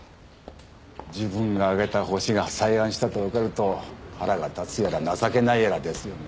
自分が挙げたホシが再犯したと分かると腹が立つやら情けないやらですよね